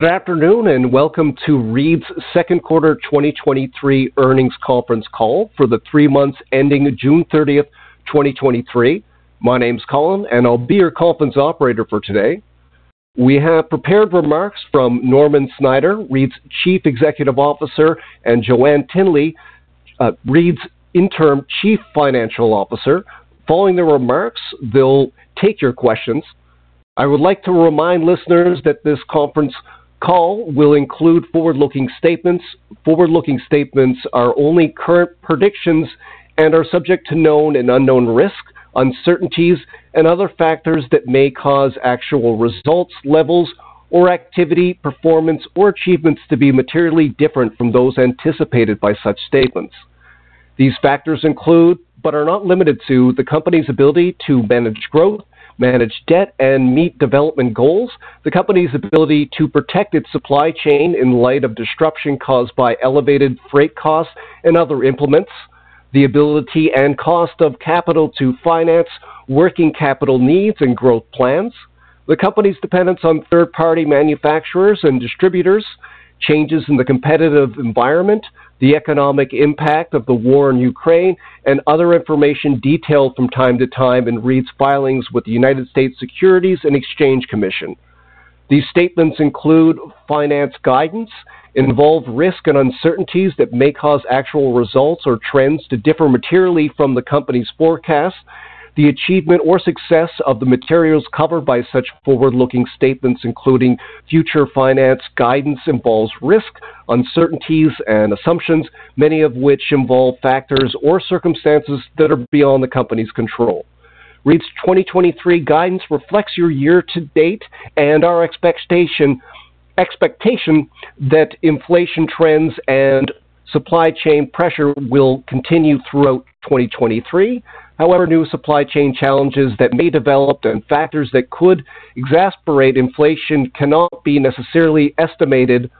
Good afternoon, welcome to Reed's second quarter 2023 earnings conference call for the three months ending June 13th, 2023. My name is Colin, and I'll be your conference operator for today. We have prepared remarks from Norman Snyder, Reed's Chief Executive Officer, and Joann Tinnelly, Reed's Interim Chief Financial Officer. Following the remarks, they'll take your questions. I would like to remind listeners that this conference call will include forward-looking statements. Forward-looking statements are only current predictions and are subject to known and unknown risks, uncertainties, and other factors that may cause actual results, levels or activity, performance, or achievements to be materially different from those anticipated by such statements. These factors include, but are not limited to, the company's ability to manage growth, manage debt, and meet development goals. The company's ability to protect its supply chain in light of disruption caused by elevated freight costs and other implements. The ability and cost of capital to finance working capital needs and growth plans. The company's dependence on third-party manufacturers and distributors. Changes in the competitive environment, the economic impact of the war in Ukraine, and other information detailed from time to time in Reed's filings with the United States Securities and Exchange Commission. These statements include finance guidance, involve risk and uncertainties that may cause actual results or trends to differ materially from the company's forecast. The achievement or success of the materials covered by such forward-looking statements, including future finance guidance, involves risk, uncertainties, and assumptions, many of which involve factors or circumstances that are beyond the company's control. Reed's 2023 guidance reflects your year to date and our expectation, expectation that inflation trends and supply chain pressure will continue throughout 2023. However, new supply chain challenges that may develop and factors that could exacerbate inflation cannot be necessarily estimated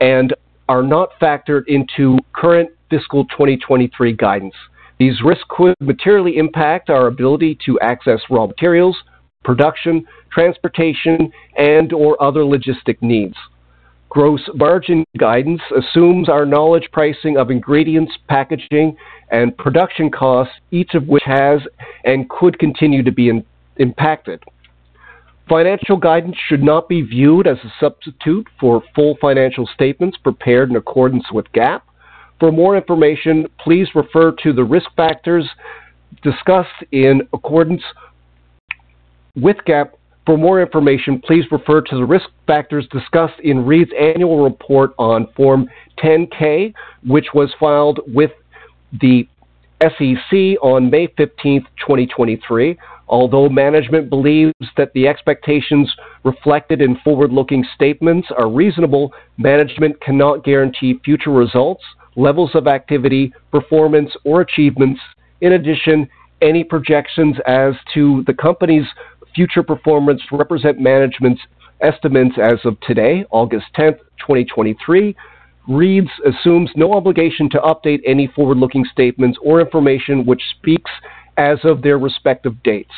and are not factored into current fiscal 2023 guidance. These risks could materially impact our ability to access raw materials, production, transportation, and/or other logistics needs. Gross margin guidance assumes our knowledge, pricing of ingredients, packaging, and production costs, each of which has and could continue to be impacted. Financial guidance should not be viewed as a substitute for full financial statements prepared in accordance with GAAP. For more information, please refer to the risk factors discussed in accordance with GAAP. For more information, please refer to the risk factors discussed in Reed's annual report on Form 10-K, which was filed with the SEC on May 15th, 2023. Although management believes that the expectations reflected in forward-looking statements are reasonable, management cannot guarantee future results, levels of activity, performance, or achievements. Any projections as to the company's future performance represent management's estimates as of today, August 10th, 2023. Reed's assumes no obligation to update any forward-looking statements or information which speaks as of their respective dates.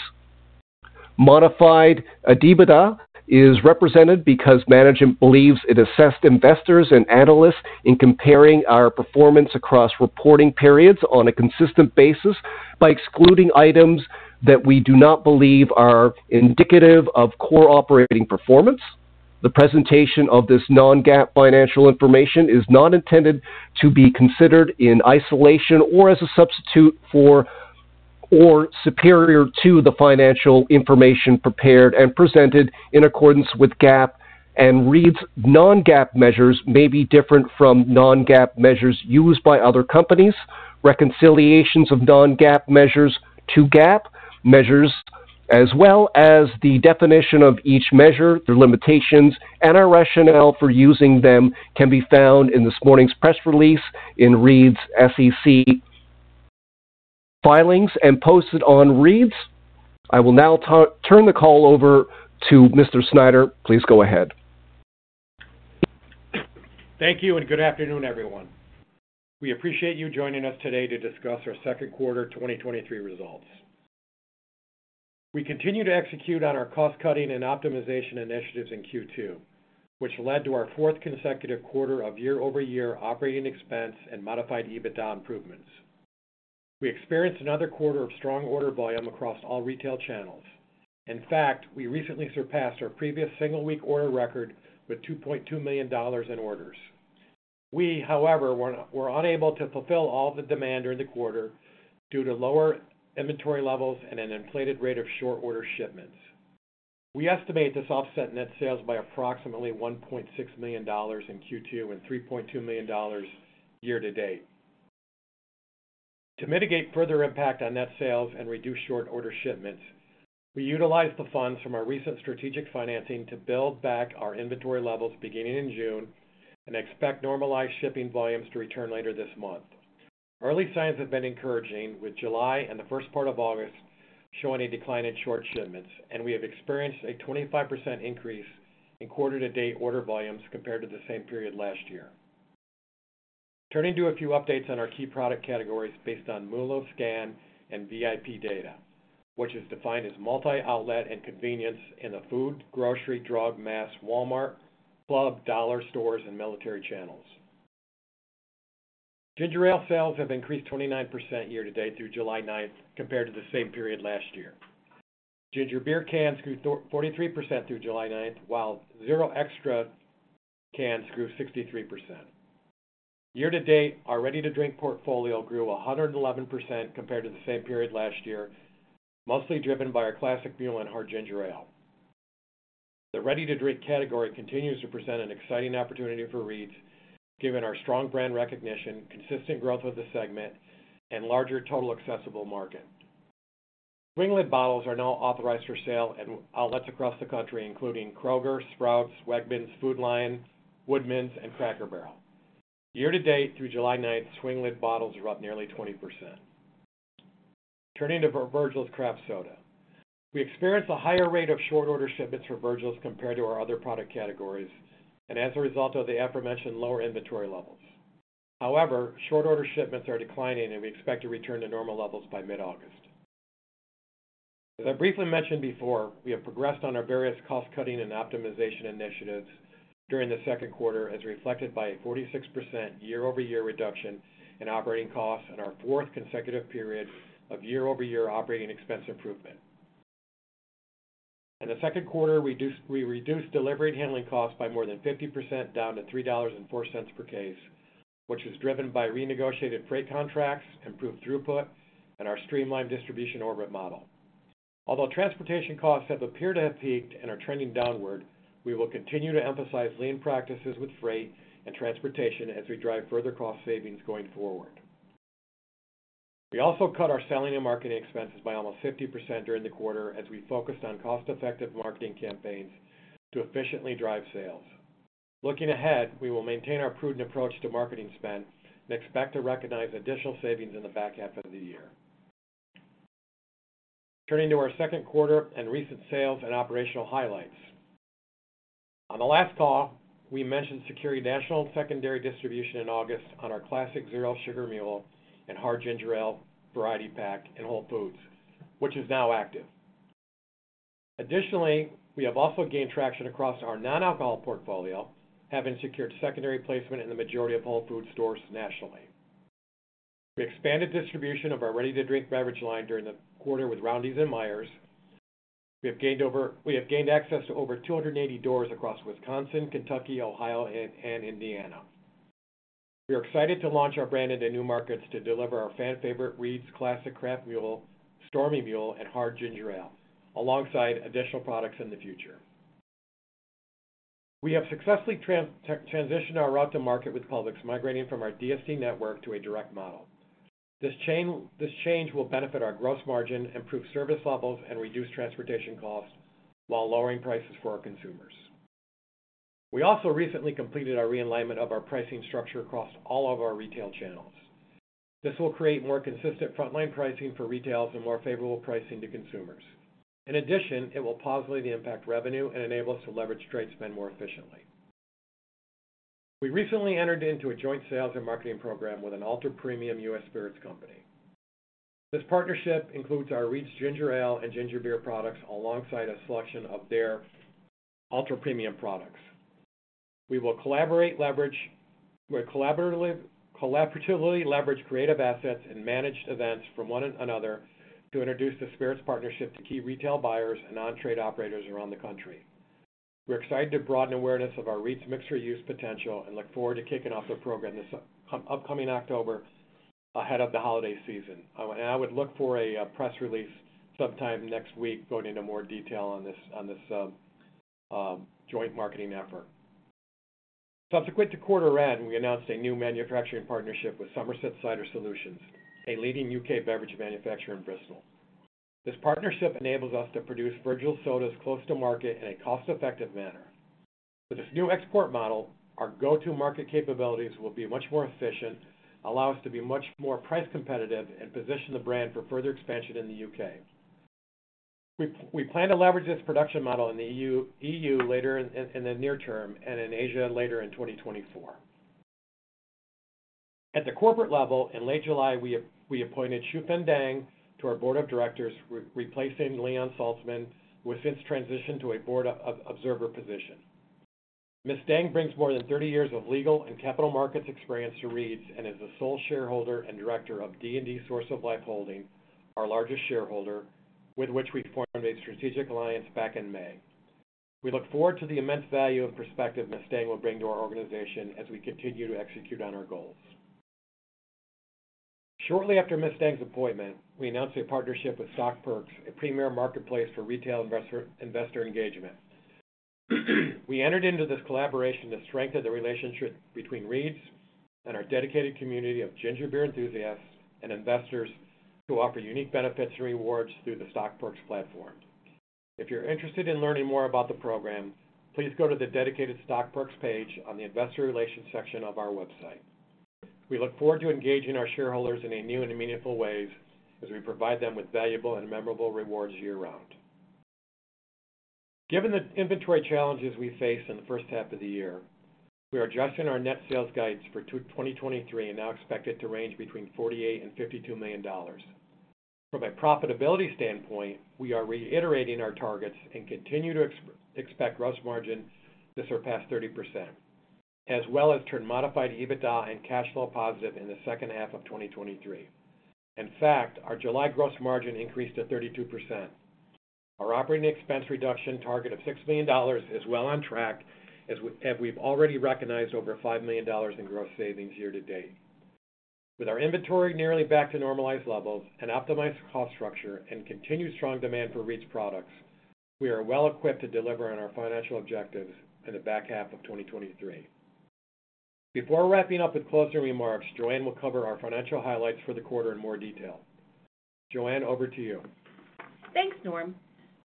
Modified EBITDA is represented because management believes it assessed investors and analysts in comparing our performance across reporting periods on a consistent basis by excluding items that we do not believe are indicative of core operating performance. The presentation of this non-GAAP financial information is not intended to be considered in isolation, or as a substitute for, or superior to the financial information prepared and presented in accordance with GAAP and Reed's non-GAAP measures may be different from non-GAAP measures used by other companies. Reconciliations of non-GAAP measures to GAAP measures, as well as the definition of each measure, their limitations, and our rationale for using them, can be found in this morning's press release in Reed's SEC filings and posted on Reed's. I will now turn the call over to Mr. Snyder. Please go ahead. Thank you. Good afternoon, everyone. We appreciate you joining us today to discuss our second quarter 2023 results. We continue to execute on our cost-cutting and optimization initiatives in Q2, which led to our fourth consecutive quarter of year-over-year operating expense and Modified EBITDA improvements. We experienced another quarter of strong order volume across all retail channels. In fact, we recently surpassed our previous single week order record with $2.2 million in orders. We, however, were unable to fulfill all the demand during the quarter due to lower inventory levels and an inflated rate of short order shipments. We estimate this offset net sales by approximately $1.6 million in Q2 and $3.2 million year to date. To mitigate further impact on net sales and reduce short order shipments, we utilized the funds from our recent strategic financing to build back our inventory levels beginning in June and expect normalized shipping volumes to return later this month. Early signs have been encouraging, with July and the first part of August showing a decline in short shipments, and we have experienced a 25% increase in quarter-to-date order volumes compared to the same period last year. Turning to a few updates on our key product categories based on MULO scan and VIP data, which is defined as multi-outlet and convenience in the food, grocery, drug, mass, Walmart, club, dollar stores, and military channels. Ginger Ale sales have increased 29% year-to-date through July 9th compared to the same period last year. Ginger Beer cans grew 43% through July 9th, while Zero Extra cans grew 63%. Year to date, our ready to drink portfolio grew 111% compared to the same period last year, mostly driven by our Classic Mule and Hard Ginger Ale. The ready to drink category continues to present an exciting opportunity for Reed's, given our strong brand recognition, consistent growth of the segment, and larger total accessible market. swing lid bottles are now authorized for sale in outlets across the country, including Kroger, Sprouts, Wegmans, Food Lion, Woodman's, and Cracker Barrel. Year to date, through July 9th, swing lid bottles were up nearly 20%. Turning to Virgil's Craft Soda. We experienced a higher rate of short order shipments for Virgil's compared to our other product categories, and as a result of the aforementioned lower inventory levels. However, short order shipments are declining, and we expect to return to normal levels by mid-August. As I briefly mentioned before, we have progressed on our various cost-cutting and optimization initiatives during the second quarter, as reflected by a 46% year-over-year reduction in operating costs and our fourth consecutive period of year-over-year operating expense improvement. In the second quarter, we reduced delivery and handling costs by more than 50%, down to $3.04 per case, which is driven by renegotiated freight contracts, improved throughput, and our streamlined distribution orbit model. Although transportation costs have appeared to have peaked and are trending downward, we will continue to emphasize lean practices with freight and transportation as we drive further cost savings going forward. We also cut our selling and marketing expenses by almost 50% during the quarter as we focused on cost-effective marketing campaigns to efficiently drive sales. Looking ahead, we will maintain our prudent approach to marketing spend and expect to recognize additional savings in the back half of the year. Turning to our second quarter and recent sales and operational highlights. On the last call, we mentioned securing national and secondary distribution in August on our classic Zero Sugar Mule and Hard Ginger Ale variety pack in Whole Foods, which is now active. Additionally, we have also gained traction across our non-alcohol portfolio, having secured secondary placement in the majority of Whole Foods stores nationally. We expanded distribution of our ready-to-drink beverage line during the quarter with Roundy's and Meijer. We have gained access to over 280 doors across Wisconsin, Kentucky, Ohio, and, and Indiana. We are excited to launch our brand into new markets to deliver our fan favorite Reed's Classic Craft Mule, Stormy Mule, and Hard Ginger Ale, alongside additional products in the future. We have successfully transitioned our route to market with Publix, migrating from our DSD network to a direct model. This chain, this change will benefit our gross margin, improve service levels, and reduce transportation costs while lowering prices for our consumers. We also recently completed our realignment of our pricing structure across all of our retail channels. This will create more consistent frontline pricing for retailers and more favorable pricing to consumers. In addition, it will positively impact revenue and enable us to leverage trade spend more efficiently. We recently entered into a joint sales and marketing program with an ultra-premium US spirits company. This partnership includes our Reed's Ginger Ale and Ginger Beer products, alongside a selection of their ultra-premium products. We will collaborate, We'll collaboratively leverage creative assets and managed events from one another to introduce the spirits partnership to key retail buyers and non-trade operators around the country. We are excited to broaden awareness of our Reed's mixture use potential and look forward to kicking off the program this upcoming October, ahead of the holiday season. I would look for a press release sometime next week, going into more detail on this joint marketing effort. Subsequent to quarter end, we announced a new manufacturing partnership with Somerset Cider Solutions, a leading UK beverage manufacturer in Bristol. This partnership enables us to produce Virgil's Sodas close to market in a cost-effective manner. With this new export model, our go-to market capabilities will be much more efficient, allow us to be much more price competitive, and position the brand for further expansion in the UK. We plan to leverage this production model in the EU later in the near term and in Asia later in 2024. At the corporate level, in late July, we appointed Shufen Deng to our board of directors, replacing Leon Zaltzman, who has since transitioned to a board observer position. Ms. Deng brings more than 30 years of legal and capital markets experience to Reed's and is the sole shareholder and director of D&D Source of Life Holding, our largest shareholder, with which we formed a strategic alliance back in May. We look forward to the immense value and perspective Ms. Deng will bring to our organization as we continue to execute on our goals. Shortly after Ms. Deng's appointment, we announced a partnership with Stockperks, a premier marketplace for retail investor, investor engagement. We entered into this collaboration to strengthen the relationship between Reed's and our dedicated community of ginger beer enthusiasts and investors, to offer unique benefits and rewards through the Stockperks platform. If you're interested in learning more about the program, please go to the dedicated Stockperks page on the investor relations section of our website. We look forward to engaging our shareholders in a new and meaningful ways, as we provide them with valuable and memorable rewards year round. Given the inventory challenges we faced in the first half of the year, we are adjusting our net sales guidance for 2023, and now expect it to range between $48 million-$52 million. From a profitability standpoint, we are reiterating our targets and continue to expect gross margin to surpass 30%, as well as turn Modified EBITDA and cash flow positive in the second half of 2023. In fact, our July gross margin increased to 32%. Our operating expense reduction target of $6 million is well on track, as we've already recognized over $5 million in gross savings year to date. With our inventory nearly back to normalized levels and optimized cost structure and continued strong demand for Reed's products, we are well equipped to deliver on our financial objectives in the back half of 2023. Before wrapping up with closing remarks, Joann will cover our financial highlights for the quarter in more detail. Joann, over to you. Thanks, Norm.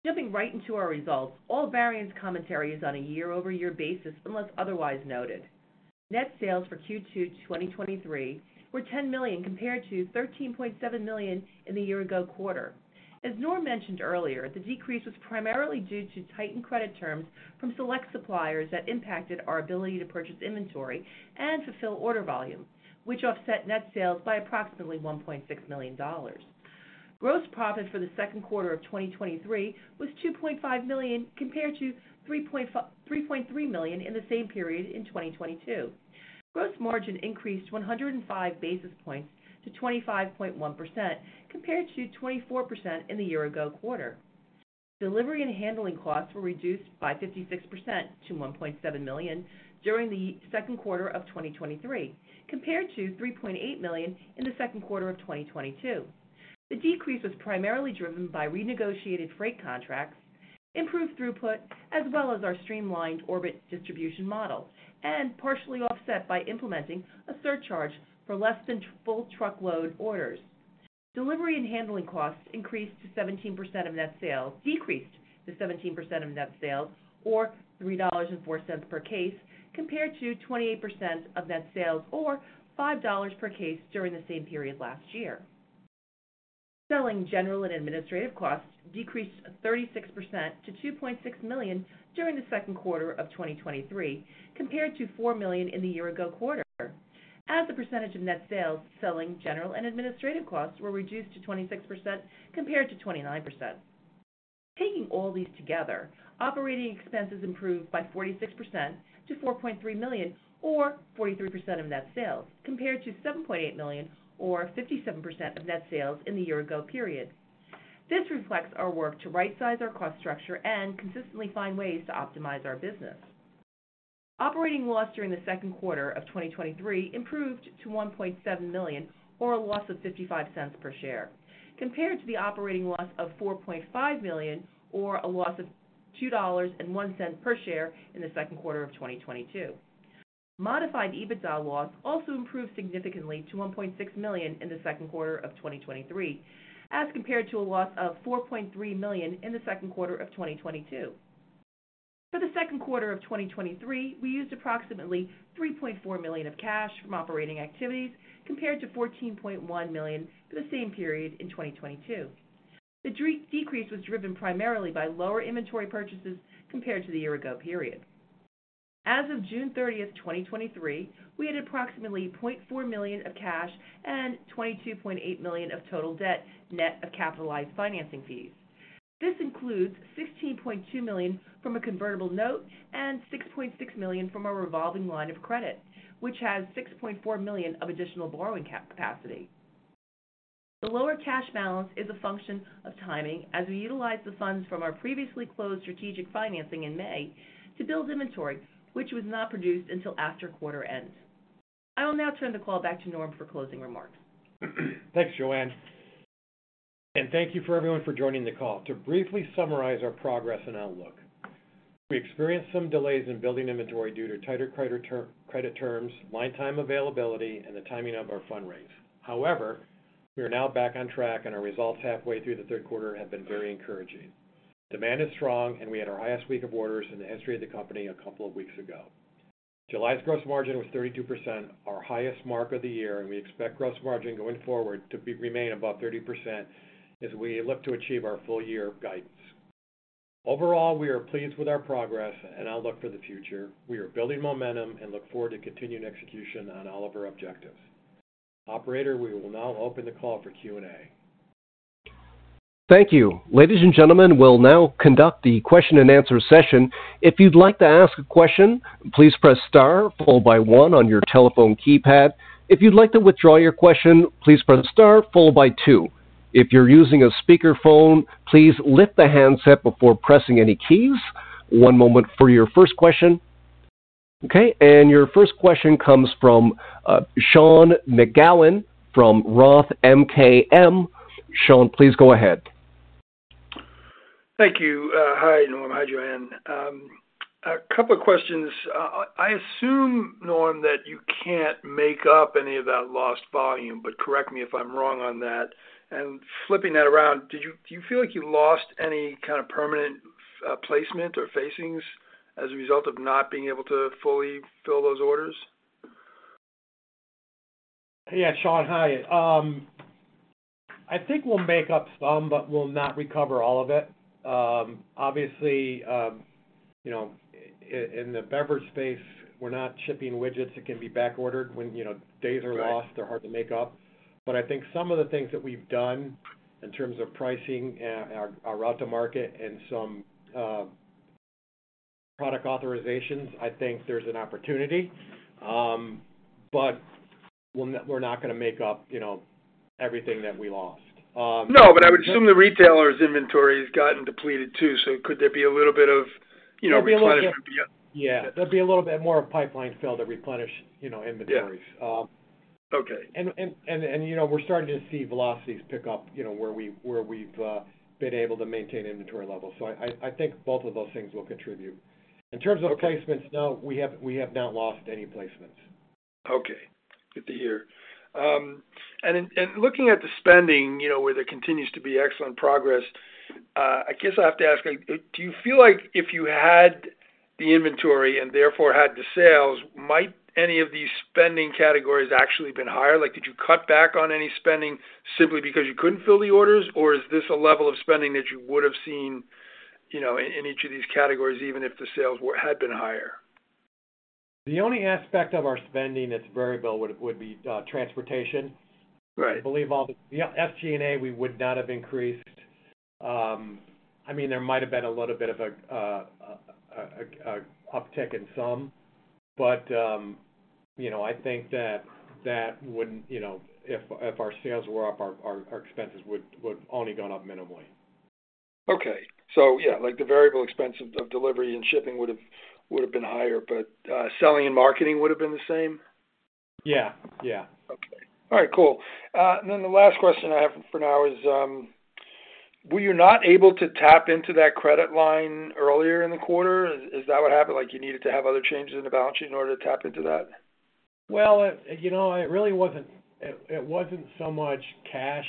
Jumping right into our results, all variance commentary is on a year-over-year basis, unless otherwise noted. Net sales for Q2 2023 were $10 million, compared to $13.7 million in the year ago quarter. As Norm mentioned earlier, the decrease was primarily due to tightened credit terms from select suppliers that impacted our ability to purchase inventory and fulfill order volume, which offset net sales by approximately $1.6 million. Gross profit for the second quarter of 2023 was $2.5 million, compared to $3.3 million in the same period in 2022. Gross margin increased 105 basis points to 25.1%, compared to 24% in the year ago quarter. Delivery and handling costs were reduced by 56% to $1.7 million during the second quarter of 2023, compared to $3.8 million in the second quarter of 2022. The decrease was primarily driven by renegotiated freight contracts, improved throughput, as well as our streamlined direct distribution model, and partially offset by implementing a surcharge for less than full truckload orders. Delivery and handling costs decreased to 17% of net sales or $3.04 per case, compared to 28% of net sales or $5 per case during the same period last year. Selling general and administrative costs decreased 36% to $2.6 million during the second quarter of 2023, compared to $4 million in the year ago quarter. As a percentage of net sales, selling general and administrative costs were reduced to 26%, compared to 29%. Taking all these together, operating expenses improved by 46% to $4.3 million, or 43% of net sales, compared to $7.8 million or 57% of net sales in the year-ago period. This reflects our work to rightsize our cost structure and consistently find ways to optimize our business. Operating loss during the second quarter of 2023 improved to $1.7 million, or a loss of $0.55 per share, compared to the operating loss of $4.5 million, or a loss of $2.01 per share in the second quarter of 2022. Modified EBITDA loss also improved significantly to $1.6 million in the second quarter of 2023, as compared to a loss of $4.3 million in the second quarter of 2022. For the second quarter of 2023, we used approximately $3.4 million of cash from operating activities, compared to $14.1 million for the same period in 2022. The decrease was driven primarily by lower inventory purchases compared to the year ago period. As of June 30, 2023, we had approximately $0.4 million of cash and $22.8 million of total debt, net of capitalized financing fees. This includes $16.2 million from a convertible note and $6.6 million from a revolving line of credit, which has $6.4 million of additional borrowing capacity. The lower cash balance is a function of timing, as we utilized the funds from our previously closed strategic financing in May to build inventory, which was not produced until after quarter end. I will now turn the call back to Norm for closing remarks. Thanks, Joann. Thank you for everyone for joining the call. To briefly summarize our progress and outlook, we experienced some delays in building inventory due to tighter credit terms, lead time availability, and the timing of our fundraise. However, we are now back on track, and our results halfway through the third quarter have been very encouraging. Demand is strong, and we had our highest week of orders in the history of the company a couple of weeks ago. July's gross margin was 32%, our highest mark of the year, and we expect gross margin going forward to be remain above 30% as we look to achieve our full year guidance. Overall, we are pleased with our progress and outlook for the future. We are building momentum and look forward to continuing execution on all of our objectives. Operator, we will now open the call for Q&A. Thank you. Ladies and gentlemen, we'll now conduct the question and answer session. If you'd like to ask a question, please press star followed by one on your telephone keypad. If you'd like to withdraw your question, please press star followed by two. If you're using a speakerphone, please lift the handset before pressing any keys. One moment for your first question. Okay, your first question comes from Sean McGowan from Roth MKM. Sean, please go ahead. Thank you. Hi, Norm. Hi, Joann. A couple of questions. I, I assume, Norm, that you can't make up any of that lost volume, but correct me if I'm wrong on that. Flipping that around, do you feel like you lost any kind of permanent placement or facings as a result of not being able to fully fill those orders? Yeah, Sean, hi. I think we'll make up some, but we'll not recover all of it. Obviously, you know, in the beverage space, we're not shipping widgets that can be back-ordered when, you know, days are lost, they're hard to make up. I think some of the things that we've done in terms of pricing and our, our route to market and some product authorizations, I think there's an opportunity. We're not, we're not gonna make up, you know, everything that we lost. No, but I would assume the retailer's inventory has gotten depleted too, so could there be a little bit of, you know, replenishment? Yeah. Yeah, there'd be a little bit more of pipeline fill to replenish, you know, inventories. Yeah. Okay. You know, we're starting to see velocities pick up, you know, where we, where we've been able to maintain inventory levels. I, I think both of those things will contribute. Okay. In terms of placements, no, we have, we have not lost any placements. Okay, good to hear. In, and looking at the spending, you know, where there continues to be excellent progress, I guess I have to ask, do you feel like if you had the inventory and therefore had the sales, might any of these spending categories actually been higher? Like, did you cut back on any spending simply because you couldn't fill the orders? Is this a level of spending that you would have seen, you know, in, in each of these categories, even if the sales had been higher? The only aspect of our spending that's variable would, would be, transportation. Right. I believe all the, yeah, SG&A, we would not have increased. I mean, there might have been a little bit of uptick in some, but, you know, I think that that wouldn't, you know, if, if our sales were up, our expenses would, would only gone up minimally. Okay. Yeah, like the variable expense of, of delivery and shipping would have been higher, but selling and marketing would have been the same? Yeah, yeah. Okay. All right, cool. The last question I have for now is, were you not able to tap into that credit line earlier in the quarter? Is that what happened? Like, you needed to have other changes in the balance sheet in order to tap into that? Well, you know, it really wasn't, it, it wasn't so much cash.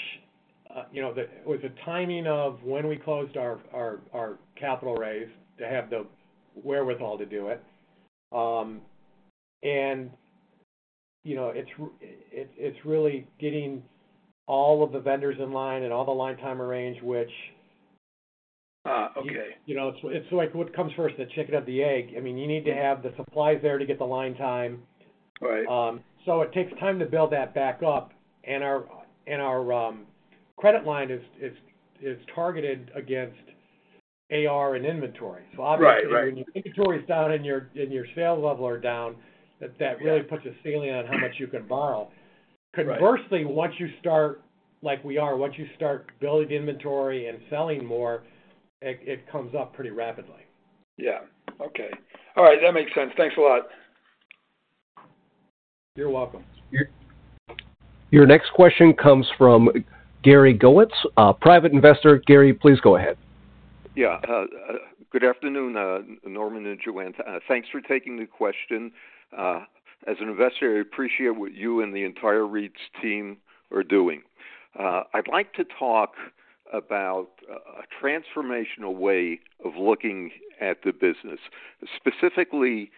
You know, it was the timing of when we closed our, our, our capital raise to have the wherewithal to do it. And, you know, it's it's, it's really getting all of the vendors in line and all the line time arranged. Ah, okay. You know, it's like, what comes first, the chicken or the egg? I mean, you need to have the supplies there to get the line time. Right. It takes time to build that back up. Our, and our, credit line is targeted against AR and inventory. Right, right. Obviously, when your inventory is down and your, and your sales level are down, that that really puts a ceiling on how much you can borrow. Right. Conversely, once you start, like we are, once you start building inventory and selling more, it, it comes up pretty rapidly. Yeah. Okay. All right, that makes sense. Thanks a lot. You're welcome. Your next question comes from Gary Goetz, a Private Investor. Gary, please go ahead. Yeah. Good afternoon, Norman and Joann. Thanks for taking the question. As an investor, I appreciate what you and the entire Reed's team are doing. I'd like to talk about a transformational way of looking at the business, specifically,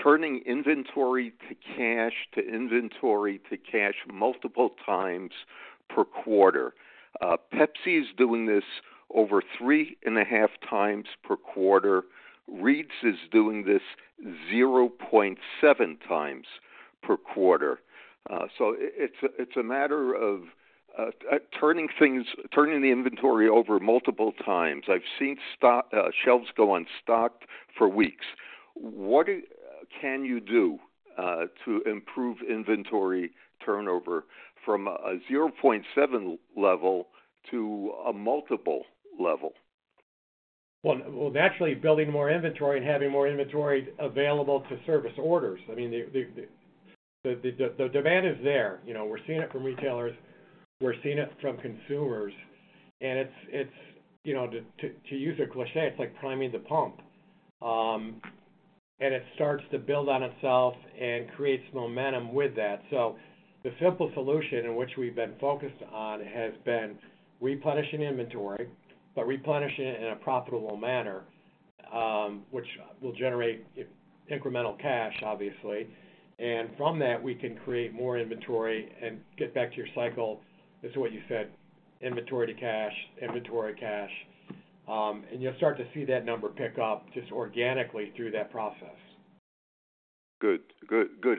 turning inventory to cash, to inventory to cash multiple times per quarter. Pepsi is doing this over 3.5 times per quarter. Reed's is doing this 0.7 times per quarter. It's a matter of turning things, turning the inventory over multiple times. I've seen stock, shelves go unstocked for weeks. What can you do to improve inventory turnover from a 0.7 level to a multiple level? Well, well, naturally, building more inventory and having more inventory available to service orders. I mean, the, the, the, the demand is there. You know, we're seeing it from retailers, we're seeing it from consumers, and it's, it's, you know, to use a cliché, it's like priming the pump. It starts to build on itself and creates momentum with that. The simple solution in which we've been focused on has been replenishing inventory, but replenishing it in a profitable manner, which will generate incremental cash, obviously. From that, we can create more inventory and get back to your cycle. This is what you said, inventory to cash, inventory to cash. You'll start to see that number pick up just organically through that process. Good.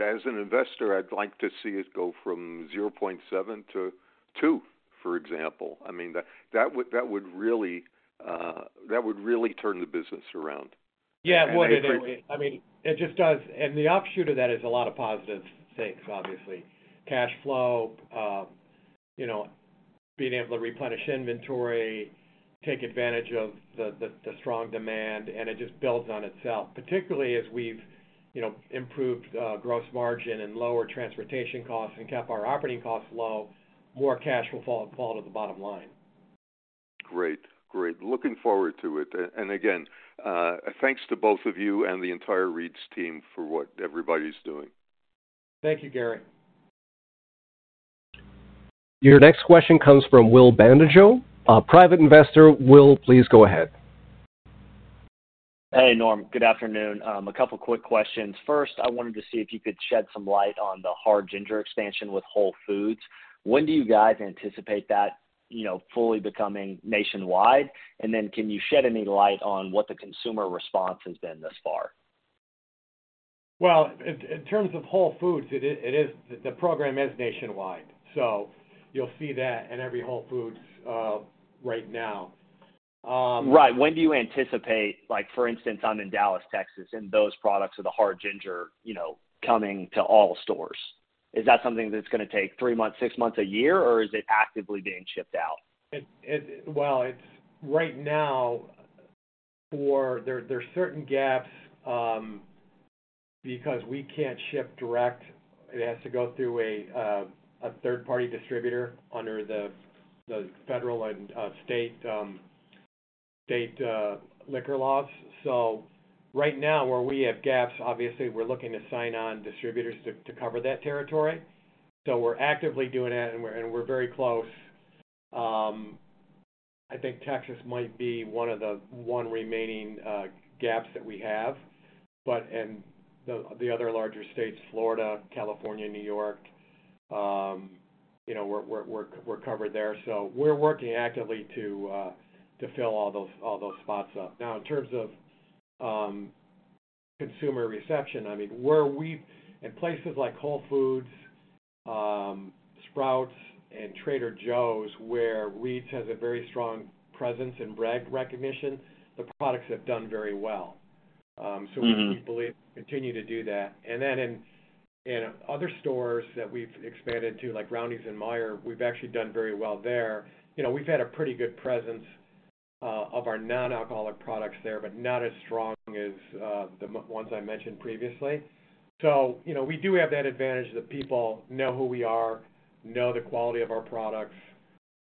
As an investor, I'd like to see it go from 0.7 to two, for example. I mean, that, that would, that would really, that would really turn the business around. Yeah, it would. I mean, it just does. The offshoot of that is a lot of positive things, obviously. Cash flow, you know, being able to replenish inventory, take advantage of the, the, the strong demand, and it just builds on itself. Particularly as we've, you know, improved gross margin and lower transportation costs and kept our operating costs low, more cash will fall, fall to the bottom line. Great. Looking forward to it. Again, thanks to both of you and the entire Reed's team for what everybody's doing. Thank you, Gary. Your next question comes from Will Bandijo, a Private Investor. Will, please go ahead. Hey, Norm, good afternoon. A couple quick questions. First, I wanted to see if you could shed some light on the Hard Ginger expansion with Whole Foods. When do you guys anticipate that, you know, fully becoming nationwide? Then can you shed any light on what the consumer response has been thus far? Well, in terms of Whole Foods, it is the program is nationwide, so you'll see that in every Whole Foods, right now. Right. When do you anticipate, like, for instance, I'm in Dallas, Texas, and those products of the Hard Ginger, you know, coming to all stores? Is that something that's gonna take three months, six months, a year, or is it actively being shipped out? Well, it's right now, there, there are certain gaps because we can't ship direct. It has to go through a third-party distributor under the federal and state, state liquor laws. Right now, where we have gaps, obviously, we're looking to sign on distributors to, to cover that territory. We're actively doing that, and we're, and we're very close. I think Texas might be one of the one remaining gaps that we have. And the other larger states, Florida, California, New York, you know, we're covered there. We're working actively to fill all those, all those spots up. In terms of, consumer reception, I mean, where in places like Whole Foods, Sprouts, and Trader Joe's, where Reed's has a very strong presence and brand recognition, the products have done very well. We believe we continue to do that. In other stores that we've expanded to, like Roundy's and Meijer, we've actually done very well there. You know, we've had a pretty good presence of our non-alcoholic products there, but not as strong as the ones I mentioned previously. You know, we do have that advantage that people know who we are, know the quality of our products,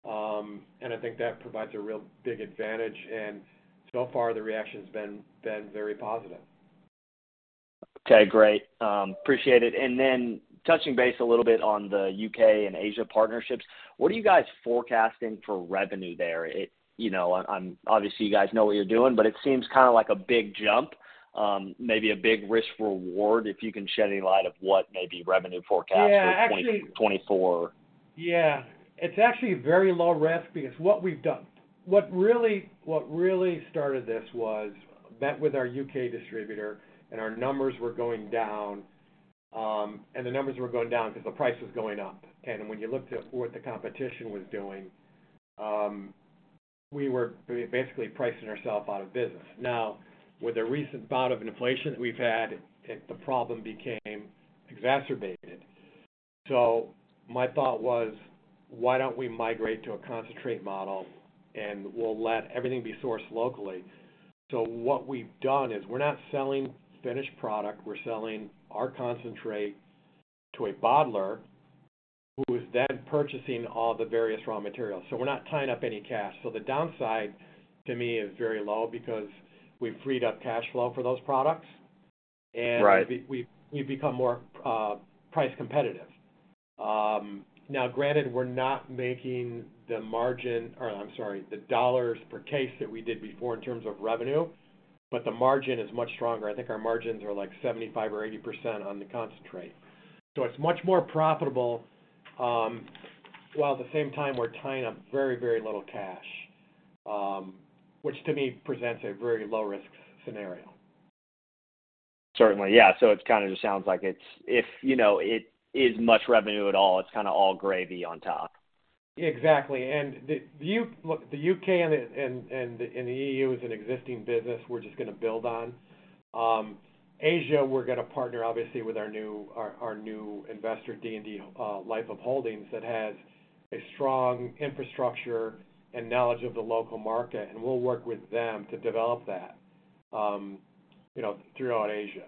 and I think that provides a real big advantage, and so far, the reaction has been, been very positive. Okay, great. Appreciate it. Then touching base a little bit on the UK and Asia partnerships, what are you guys forecasting for revenue there? You know, I'm, obviously, you guys know what you're doing, but it seems kinda like a big jump, maybe a big risk reward, if you can shed any light of what may be revenue forecast for 2024. Yeah. It's actually very low risk because what we've done, what really, what really started this was, met with our UK distributor, our numbers were going down, the numbers were going down because the price was going up. When you looked at what the competition was doing, we were basically pricing ourselves out of business. Now, with the recent bout of inflation we've had, the, the problem became exacerbated. My thought was, why don't we migrate to a concentrate model, we'll let everything be sourced locally? What we've done is we're not selling finished product, we're selling our concentrate to a bottler who is then purchasing all the various raw materials, we're not tying up any cash. The downside to me is very low because we've freed up cash flow for those products. Right We've become more price competitive. Granted, we're not making the margin, or I'm sorry, the dollars per case that we did before in terms of revenue, but the margin is much stronger. I think our margins are like 75% or 80% on the concentrate. It's much more profitable, while at the same time we're tying up very, very little cash, which to me presents a very low-risk scenario. Certainly. Yeah. It kind of just sounds like, you know, it is much revenue at all, it's kinda all gravy on top. Exactly. Look, the U.K. and the E.U. is an existing business we're just gonna build on. Asia, we're gonna partner, obviously, with our new, our, our new investor, D&D Life of Holdings, that has a strong infrastructure and knowledge of the local market, and we'll work with them to develop that, you know, throughout Asia.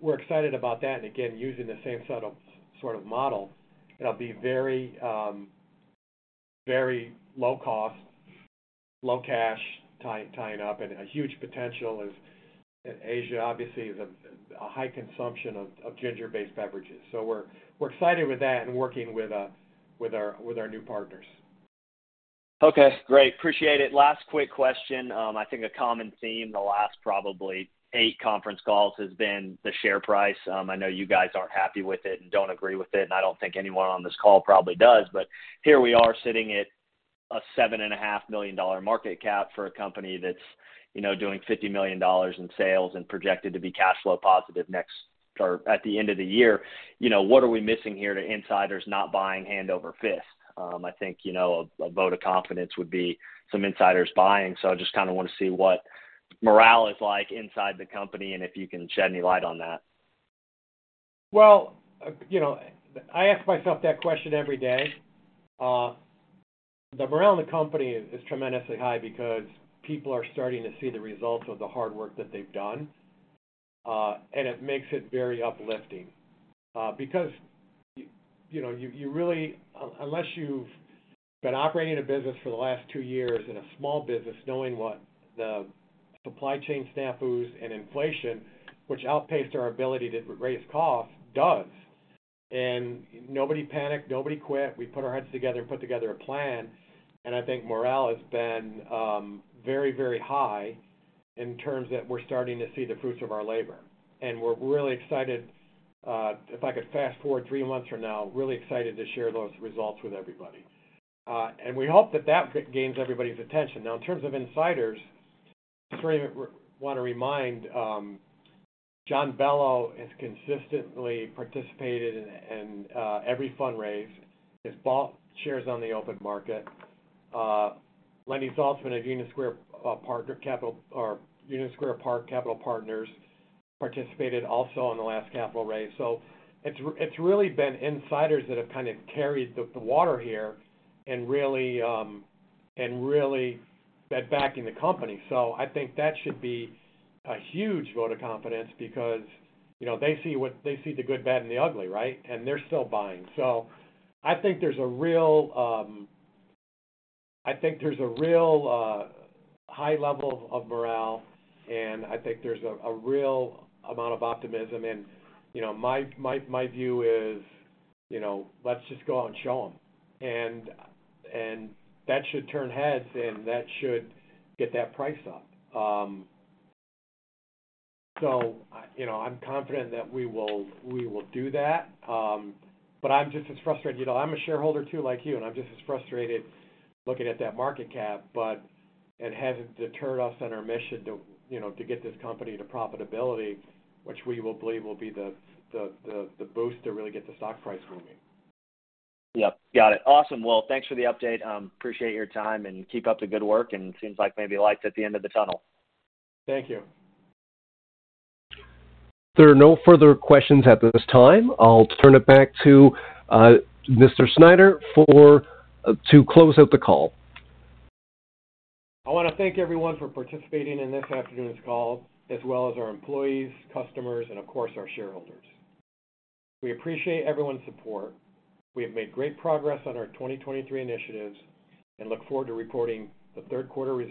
We're excited about that. Again, using the same sort of, sort of model, it'll be very, very low cost, low cash tying up, and a huge potential as, in Asia, obviously, is a high consumption of, of ginger-based beverages. We're, we're excited with that and working with our, with our new partners. Okay, great. Appreciate it. Last quick question. I think a common theme, the last probably eight conference calls, has been the share price. I know you guys aren't happy with it and don't agree with it, and I don't think anyone on this call probably does. Here we are sitting at a $7.5 million market cap for a company that's, you know, doing $50 million in sales and projected to be cash flow positive next, or at the end of the year. You know, what are we missing here to insiders not buying hand over fist? I think, you know, a vote of confidence would be some insiders buying, so I just kinda wanna see what morale is like inside the company and if you can shed any light on that. Well, you know, I ask myself that question every day. The morale in the company is tremendously high because people are starting to see the results of the hard work that they've done, and it makes it very uplifting. Because, you know, you, you really unless you've been operating a business for the last two years in a small business, knowing what the supply chain snafus and inflation, which outpaced our ability to raise costs, does. Nobody panicked, nobody quit. We put our heads together and put together a plan, I think morale has been very, very high in terms that we're starting to see the fruits of our labor. We're really excited, if I could fast forward three months from now, really excited to share those results with everybody. We hope that that gains everybody's attention. In terms of insiders, I just really want to remind, John Bello has consistently participated in every fundraise, has bought shares on the open market. Lenny Zaltzman of Union Square Park Capital Management, participated also in the last capital raise. It's really been insiders that have kind of carried the water here and really been backing the company. I think that should be a huge vote of confidence because, you know, they see the good, bad, and the ugly, right? They're still buying. I think there's a real, I think there's a real high level of morale, and I think there's a real amount of optimism. You know, my view is, you know, let's just go out and show them. That should turn heads, and that should get that price up. You know, I'm confident that we will, we will do that. I'm just as frustrated. You know, I'm a shareholder, too, like you, and I'm just as frustrated looking at that market cap, but it hasn't deterred us on our mission to, you know, to get this company to profitability, which we will believe will be the, the, the, the boost to really get the stock price moving. Yep, got it. Awesome. Well, thanks for the update. Appreciate your time. Keep up the good work. It seems like maybe light's at the end of the tunnel. Thank you. There are no further questions at this time. I'll turn it back to Mr. Snyder for to close out the call. I want to thank everyone for participating in this afternoon's call, as well as our employees, customers, and of course, our shareholders. We appreciate everyone's support. We have made great progress on our 2023 initiatives and look forward to reporting the third quarter results.